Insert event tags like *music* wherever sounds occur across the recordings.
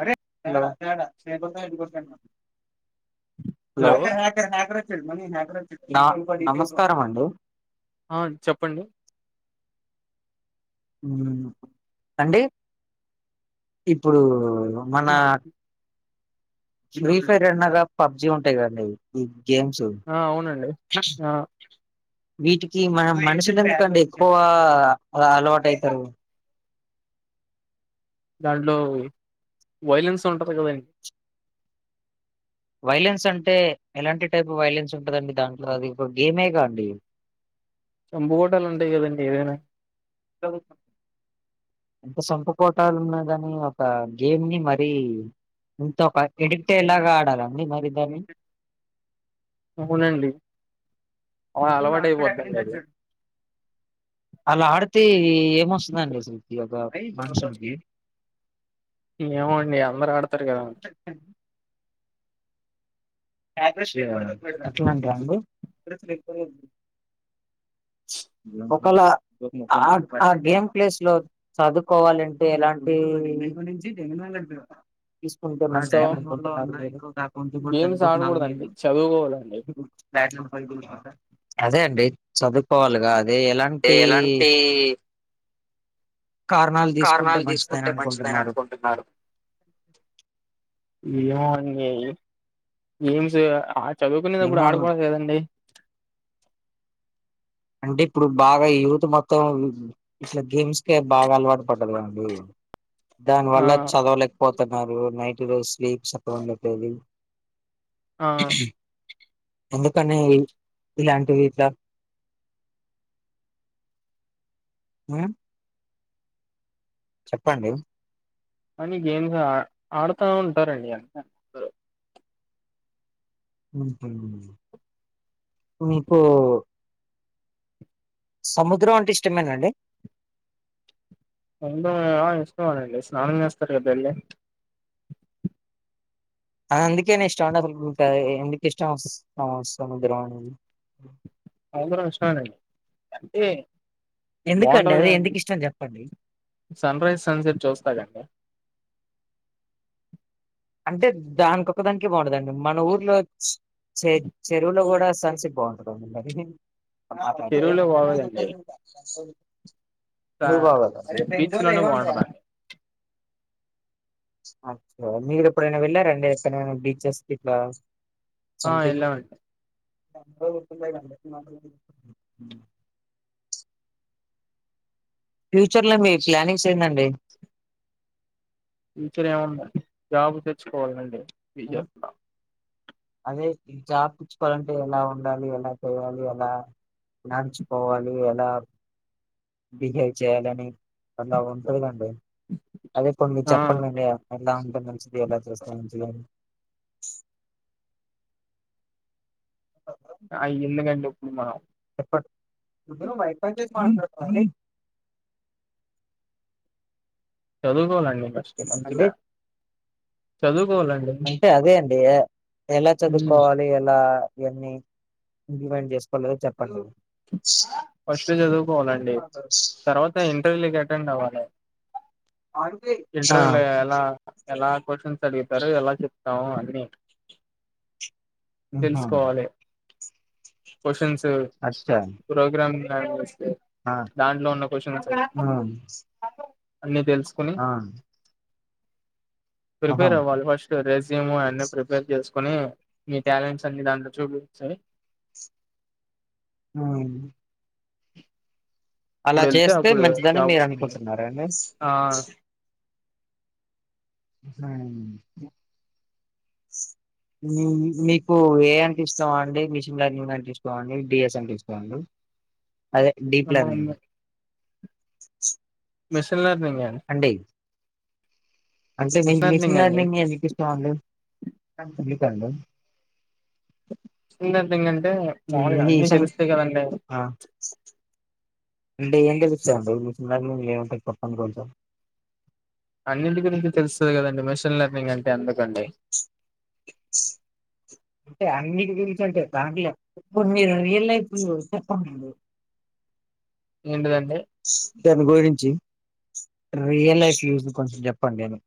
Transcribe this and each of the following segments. Hello hello నా నమస్కారం అండి ఆ చెప్పండి ఉమ్ అండి ఇప్పుడు మన ఫ్రీ ఫైర్ అన్నగా పబ్జి ఉంటాయి కదండి ఈ గేమ్స్ ఆ అవునండి ఆ వీటికి మన మనుషులు ఎందుకండి ఎక్కువ అలవాటు అయితారు దాంట్లో వైలెన్స్ ఉంటది కదం వైలెన్స్ అంటే ఎలాంటి టైప్ ఆఫ్ వైలెన్స్ ఉంటదండి దాంట్లో అది ఒక గేమేగా అండి చంపుకోడాలు ఉంటాయి కదండి ఏదైనా చదువుకొ ఎంత సంపుకోటాలు ఉన్నగాని ఒక గేమ్‌ని మరి ఇంత ఎడిక్ట్ అయ్యేలాగా ఆడాలండి మరి దాన్ని అవునండి అలా అలవాటు అయిపోద్దండి అది అలా ఆడితే ఏమొస్తుందండి అసలుకి ఒక మనుషులకి ఏమోండి అందరు ఆడతారు కదా స ట్యాబ్ బ్రష్ లేదా అట్లంటారా అండి ఒకళా ఆ ఆ గేమ్ ప్లేస్‌లో చదువుకోవాలంటే ఎలాంటి తీసుకుంటే సో మంచిదండి *unintelligible* అడకుడదండి చదువుకోవాలండి అదే అండి చదువుకోవాలిగా అదే ఎలా టే ఎలాంటి కారణాల్ కారణాలు తీసుకుంటే మంచిదని అనుకుంటున్నాడు ఏమో అండి గేమ్స్ చదువుకునేటప్పుడు ఏమో ఆడకూడదు కదండి అంటే ఇప్పుడు బాగా యూత్ మొత్తం ఇట్లా గేమ్స్‌ కే బాగా అలవాటు పడ్డారు కదండి ఆ దానివల్ల చదవలేకపోతున్నారు నైట్ రోజు స్లీప్ సక్కగా ఉండట్లేదు ఆ అందుకనే ఇలాంటివి జ ఉమ్మ్ చెప్పండి అని గేమ్స్ ఆడుతా ఉంటారండి అంతా మ్మ్ఉమ్మ్ మీకు సముద్రం అంటే ఇష్టమేనండి అవునా ఇష్టమేనండి స్నానం చేస్తారు కదా ఎళ్ళి ఆ అందుకేనే ఇష్టమండి అసలు ఇంక ఎందుకు ఇష్టం స సముద్రం అనేది సముద్రం ఇష్టమేనండి అంటే ఎందుకండి బాగుంటది అదే కదండి ఎందుకు ఇష్టం చెప్పండి సన్ రైజ్ సన్సెట్ చూస్తా కాండి అంటే దానికొక్క దానికే బాగుంటదండి మన ఊర్లో చె చెరువులో కూడా సన్ సెట్ బాగుం కదండి మరి మాట్లాడితే చెరువులో బాగోదండి కా ఎందుకు బీచ్ బాగోదండి లోనే బాగుంటదండి అచ్చ మీరే ఎప్పుడైనా వెళ్ళారండి ఎక్కడైనా బీచెస్ ఇట్లా ఆ సంథింగ్ వెళ్ళామండి అంతగా గుర్తు లేదండి మాకి ఫ్యూచర్‌లో మీ ప్లానింగ్స్ ఏందండి ఫీచర్ ఏముంది జాబ్ తెచ్చుకోవాలండి ఆ ఫ్యూచర్ అదే ఈజాబ్ పుచ్చుకోవాలంటే ఎలా ఉండాలి ఎలా చేయాలి ఎలా లంచ్ పోవాలి ఎలా బిహేవ్ చేయాలని అలా ఉంటదండి అదే కొన్ని మీరు ఆ చెప్పండి అండి ఎలా ఉంటే మంచిది ఎలా చేస్తే మంచిగా అని అయ్యేందుకండి ఇప్పుడు మనం ముందు నువ్ వైఫై చేసి మాట్లాడరా చదువుకోవాలండి ఫస్ట్ అంటే మంచిగా చదువుకోవాలండి అంటే అదే అండి ఎలా హ్మ్. చదువుకోవాలి ఎలా ఇవన్ని ఇంప్లిమెంట్ చేసుకోలేద చెప్పండి ఫస్ట్ చదువుకోవాలండి తర్వాత ఇంటర్వ్యూలకి అటెండ్ అవ్వాలి ఆంటీ ఇంటర్వ్యూ లో ఎలా ఎలా క్వచ్చన్స్ అడుగుతారు ఎలా చెప్తాము అన్ని ఉహు తెలుసుకోవాలి క్వశ్చన్స్ అచ్చా ప్రోగ్రామ్స్త దానిచుస్తే ఆ దాంట్లో ఉన్న క్వసన్స్ ఆ అన్నీ తెలుసుకుని ఆ ఆహా ప్రిపేర్ ఆవల ఫస్ట్ రెజ్యూమ్ అన్నీ ప్రిపేర్ చేసుకుని మీ టాలెంట్స్ అన్ని దాంట్లో చూపిచ్చెయ్ హ్మ్ అలా ఇప్పుడు వెళ్తే చేస్తే అప్పుడు మంచిదని జాబ్ మీరు వస్తుంది అనుకుంటున్నార అండి ఆ *unintelligible* స్ హ్మ్ మీకు ఏ అంటే ఇష్టం అండి మిషన్ లెర్నింగ్ అంటే ఇష్టమా అండి డిఎస్ అంటే ఇష్టంమా అండి అదె డీప్ లేర్నింగు మిషన్ లేర్నింగ్ అండి అండీ అంటే మీకీ లెర్నింగ్ మిషన్ అండి లేర్నింగ్ యే ఎందుకిష్టం అండి మీకే అండి మిషన్ లేర్నింగ్ అంటే మామూలుగా మీ అన్ని మిషన్ తెలుస్తాయి కదండి ఆ అంటే ఏం తెలుస్తాయండి మిషన్ లేర్నింగ్ ఎం ఉంటాయి చెప్పండి కొంచెం అన్నింటి గురించి తెలుస్తాది కదండి మెషన్లర్నింగ్ అంటే అందుకండి అంటే అన్నిటి గురించి అంటే దాంట్లో కొన్ని రియల్ లైఫ్లు చెప్పన్నారు ఏంటిదండి దాని గురించి రియల్ లైఫ్ యూస్ ని కొంచెం చెప్పండి అనీ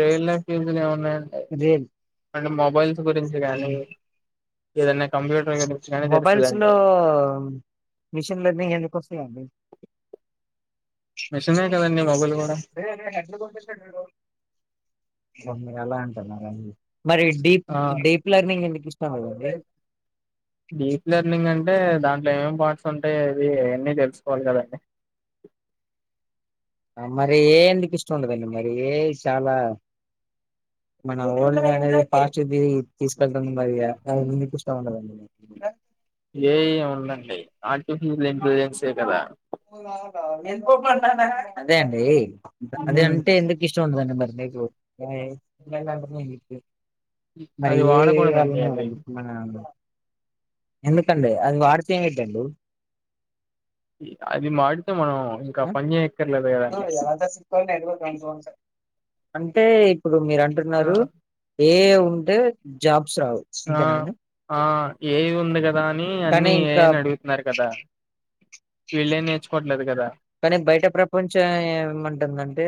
రియల్ లైఫ్ ఫీజులు ఏమున్నాయండి రియల్ అంటే మొబైల్స్ గురించి కానీ ఏదైనా కంప్యూటర్ మొబైల్స్ లో తెలుస్తదండి మిషన్ లెర్నింగ్ ఎందుకొస్తాయండి మెషనే కదండి మొబైల్ గూడ మరి డీప్ ఆ డీప్ లెర్నింగ్ ఎందుకు ఇష్టం లేదండి డీప్ లెర్నింగ్ అంటే దాంట్లో ఏమేం పాయింట్స్ ఉంటాయి ఇవి అన్నీ తెలుసుకోవాలి కదా అండి ఆ మరి ఏ ఎందుకు ఇష్టం లేదండి మరి ఏ చాలా మన వరల్డ్‌ది అనేది ఫాస్ట్‌గా తిరిగి తీసుకెళ్తాం మరి ఇగ అది మీకు ఇష్టం ఉండదండి ఏఐ ఉందండి ఆర్టిఫిషియల్ ఇంటెలిజెన్సే కదా అదే అండి అది మ్మ్ అంటే ఎందుకు ఇష్టం ఉండదండి మరి నీకు మరి అది ఏఐ వాడకూడదండి వల్లనే అది కదండి ఇప్పుడు మన ఎందుకంటే అది వాడితే ఏమయిద్దండి అది మాడితే మనం ఇంకా పని చేయక్కర్లేదు కదా అండి అంటే ఇప్పుడు మీరు ఆ అంటున్నారు ఏఐ ఉంటే జాబ్స్ రావు ఆ అంతేనండి ఆ ఏఐ ఉంది కదా అని కానీ అన్నీ ఇంకా ఏఐని అడుగుతున్నారు కదా వీళ్ళే నేర్చుకోవట్లేదు కదా కానీ బయట ప్రపంచం ఏమంటుందంటే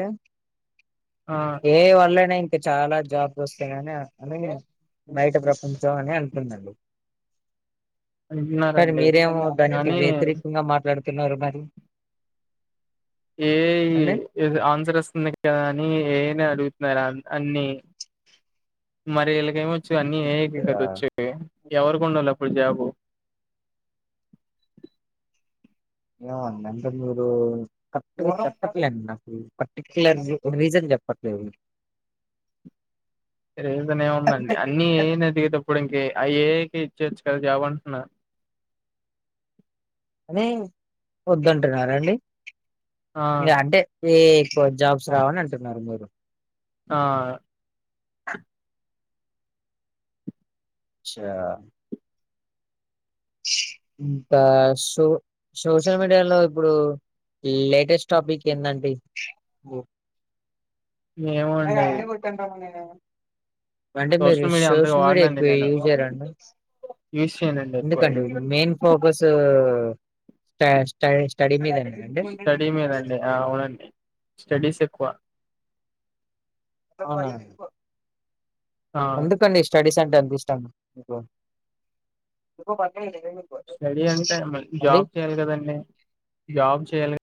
ఆ ఏఐ వాళ్ళనే చాలా జాబ్స్ వస్తాయని అని బయట ప్రపంచం అని అం టుందండి కానీ అంటున్నారండి మీరేమో దానికి కానీ వ్యతిరేకంగా మాట్లాడు తున్నారు మరి అండి ఏఐ ఆన్సర్ ఇస్తుంది కదా అని ఏఐనే అడుగుతున్నారు అన్ని మరి ఈళ్ళకి ఏమొచ్చు అన్ని ఏఐకే ఆ కదా వచ్చేది ఎవరికి ఉండాలి అప్పుడు జాబు ఏమో అండి అంటే మీరు కరెక్టుగా చెప్పట్లే అండి నాకి పర్టిక్యులర్ రీ రీజన్ చెప్పట్లేదు రీజన్ ఏముందండి అన్నీ ఏఐని అడిగేటప్పుడు ఇంక అ ఏఐకే ఇచ్చేయచ్చు కదా జాబు అంటున్నా అని వద్దంటున్నారండీ ఆ ఇంక అంటే ఏ ఎక్కువ జాబ్స్ రావని అంటున్నారు మీరు ఆ చ్చా ఇంత సో సోషల్ మీడియాలో ఇప్పుడు లేటెస్ట్ టాపిక్ ఏందండి ఏమో అరే అండి అన్ని కొట్టానురా నేను అంటే మీరు మీడియా అంతగా సోషల్ మీడియా ఎక్కువ యూజ్ చెయ్యరాండి యూస్ చేయనం ఎందుకండి మెయిన్ ఫోకసు స్ట స్ట స్టడీ మీదనే స్టడీ మీదండి ఆ అవునండి స్టడీస్ ఎక్కువ ఆ ఆ ఎందుకండి స్టడీస్ అంటే అంతిష్టం మీకు స్టడీ అంటే మ అంతే జాబ్ చేయాలి కదండి జాబ్ చేయాలి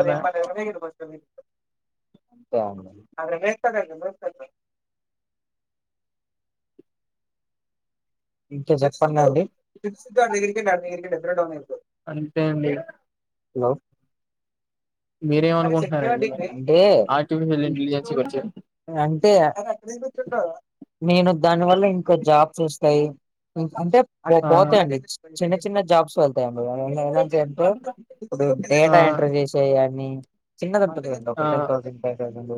కదా ఇంకా చెప్పండండి అంతే అండి హలో మీరేమనుకుంటున్నారండి మరి అంటే ఆర్టిఫిషియల్ ఇంటెలిజెన్స్ గురించి అంటే నేను దాని వల్ల ఇంకో జాబ్ వస్తాయి అంటే పో ఆ పోతయండి చిన్న చిన్న జాబ్స్ వె తయండి *unintelligible* ఇప్పుడు డేటా ఆ ఎంట్రీ చేసేయి యన్ని చిన్నది ఉంటది కదండీ ఆ ఒక టెన్ థౌజండ్ ఫైవ్ థౌజండు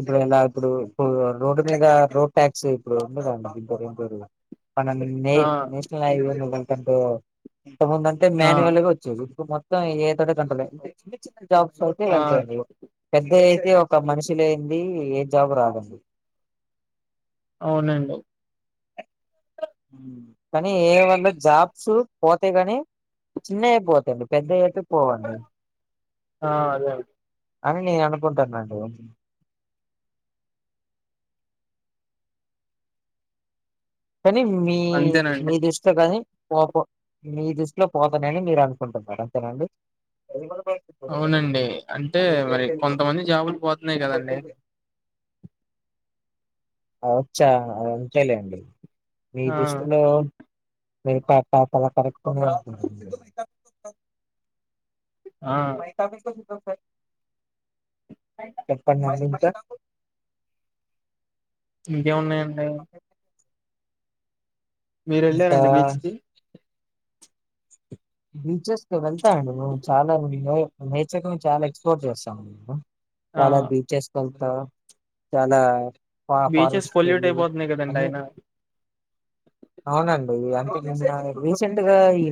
ఇప్పుడు ఎలా ఇప్పుడు ఇప్పుడు ఇపు రోడ్డు మీద రోడ్ ట్యాక్స్ ఇప్పుడు ఉండదండి ఇద్దరిద్దరూ. మనము నే ఆ నేషనల్ హైవే గంటకు ఇంతకుముందుఅంటే ఆ మ్యాన్యువల్గు. చెరుకు మొత్తం ఏతోనే గంటలే జాబ్స్ అయితే ఆ వెళ్తయండి. పెద్ద అయితే ఒక మనిషిలేంది ఏ జాబు రాదండి. అవునండి. కనీ ఏ వన్న జాబ్స్ పోతయి గని. చిన్నయెపోతయండి పెద్దఅయితే పోవండి. ఆ అదే అండి. అని నేననుకుంటానండి. కనీ మీ అంతేనండి మీ దిస్. అంతే గని పో పో మీ దిస్ట్ లో పోతనని మీరనుకుంటున్నారు అంతేనండి. అదిమనమె. అవునండి అంటే మరి కొంతమంది జాబులు పోత్న్నాయి గదండి. అవుచ్చా అంతేలేండి మీ ఆ దుస్తులో. వేట పపల కరెక్ట్ దొరికింది. ఆ. చెప్పండి మార్నింగ్ సార్. ఇంకేమున్నాయండి. అ మీరేళ్ళారండి బీచ్ కి. ఇంచెస్ కి వెళ్తాండి మేము చాలా మంది లో నేచర్ ను చాలా ఎక్స్ప్లోర్ చేస్తాం మేము. ఆ చాలా బీచెస్ కెల్తా చాలా. ఫ బీచెస్ ఫారెస్ట్ పొల్యూట్ కెళ్ళి అయిపోతున్నాయి కదండి అన్నీ. అయినా అవునండి అంటే నిన్న రీసెంట్గా ఈ.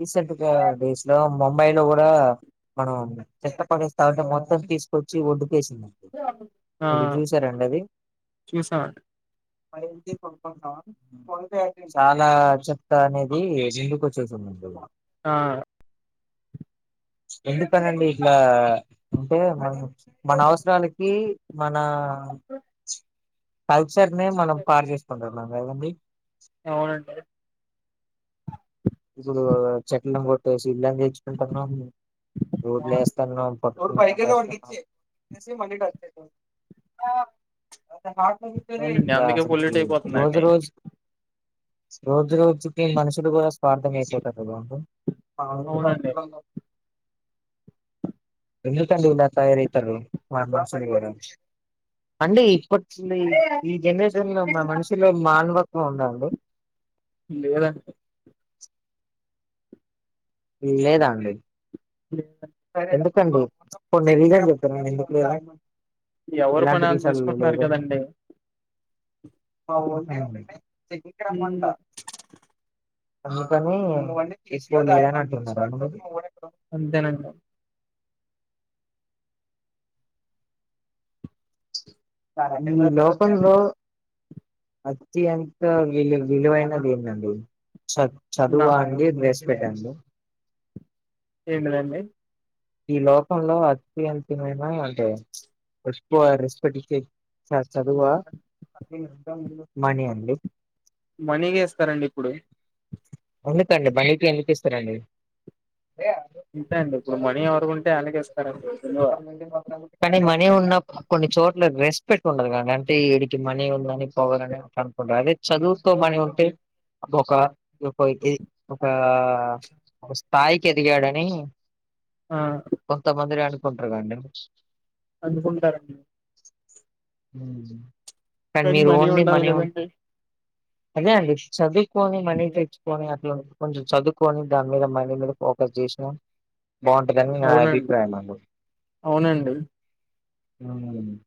రీసెంట్గా డేస్ లో ముంబై లో గుడా. మనం చెత్త పడేస్తా ఉంటే మొత్తం తీసుకొచ్చి ఒడ్డుకేసిన. ఆ అవి చూసారండవి. చూసామండి మరింకేంది పంపద్ద. చాలా చెత్త అనేది ముందుకోచ్చేసిందండి. ఆ. ఎందుకనండి ఇట్లా అ అంటే మనం మన అవసరానికి. మనా. కల్చర్ ని మనం పాడు జేసుకుంటున్నాం గదండి. అవునండి. ఇప్పుడు చెట్లను కొట్టేసి ఇల్లని తెచుకుంటాన్నాం ఆ! రోడ్లు ఎస్తాన్నాం. పైకెళ్ళి వాడికిచ్చేయ్ ఏసి మని మమెంట్ అవుతది. అవునండి అందుకే రాసన్ ఫ్రీ పొల్యూట్ రోజు అయిపోతుందండి రోజ్. రోజు రోజుకి మనుషులు గుడా స్పర్థం ఏసుకుంటారుకదండీ. అందర్ అవునండి అట్లనే. ఎందుకండి ఇలా తయారయితార్రు మాక్ మాసమేయ్యరా అండి ఇప్పు. అస్లీ ఈ జనరేషన్లో మమనిషిలో మానవత్వం ఉందాండి. లేదండి. లేదాఅండి. లేదన్. ఎందుకండి ఇప్పుడు నే *unintelligible* ఎందుకు లే ఎవరి ఇలాంటి పని ఆళ్ళు చూసుకుంటున్నారు రిశాల్లోలేదు కదండి అవూనండి *unintelligible* మంట అందుకని తిసుకొండి లే అని అంటున్నార అండి మీరు అంతెనం నిన్ను లోకంలో మంచిగా అంత విలు విలువైనదెందండి చ నా చదువా అండి రేస్మెటాఅండి ఏంటి దండి ఈ లోకంలో అత్యంతమైన అంటే ఫస్ట్ ఆ రెస్పెక్ట్ ఇచ్చే చదువా మనియ అండి మనీ చేస్తారండి ఇప్పుడు ఎందుకండీ మనికే ఎందుకిస్తారండీ ఇంతే అండి ఇప్పుడు మనీ ఎవరికుంటే ఆళ్ళకే ఇస్తారండి విలువ ఇంటి పక్కలు కానీ మనీ ఉన్నప్ కొన్ని చోట్ల రెస్పెక్ట్ ఉండదు కదండి అంటే వీడికి మనీ ఉందని పొగరని అట్ల అనుకుంటారు అదే చదువుతొ ఆ మని ఉంటే అది ఒక ఒకటి ఇది ఒకస్థాయికేదిగాడని ఆ కొంతమందిని అనుకుంట్రుగండి అనుకుంటారండి కానీ మనీ ఓన్లీ ఉండాలి మని ఉన్ కదండి అదే అండి చదుకోని మనీ నుకొని అట్లా కొంచెం చదువుకొని దాని మీద మనీ మీద ఫోకస్ చేసినా బాగుంటదని నా అవునండి అభిప్రాయం అవునండి అండి